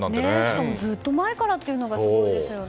しかもずっと前からというのが素敵ですよね。